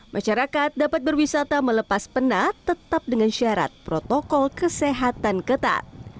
masyarakat dapat berwisata melepas penat tetap dengan syarat protokol kesehatan ketat